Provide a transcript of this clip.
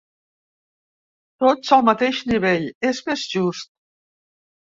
Tots al mateix nivell, és més just.